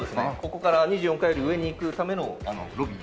ここから２４階より上に行くためのロビー。